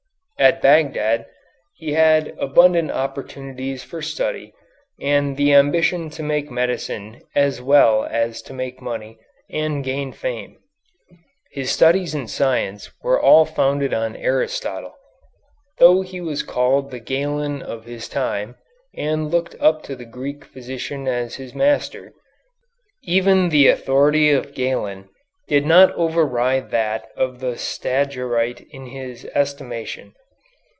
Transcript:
At Bagdad he had abundant opportunities for study, and the ambition to make medicine as well as to make money and gain fame. His studies in science were all founded on Aristotle. Though he was called the Galen of his time, and looked up to the Greek physician as his master, even the authority of Galen did not override that of the Stagirite in his estimation.